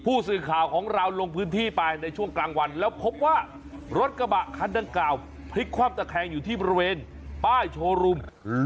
ผู้สื่อข่าวของเราลงพื้นที่ไปในช่วงกลางวันแล้วพบว่ารถกระบะคันดังกล่าวพลิกความตะแคงอยู่ที่บริเวณป้ายโชว์รูม